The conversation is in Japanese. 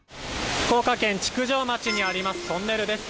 福岡県築上町にありますトンネルです。